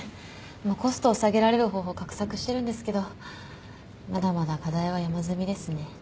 今コストを下げられる方法を画策してるんですけどまだまだ課題は山積みですね。